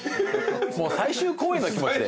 もう最終公演の気持ちで。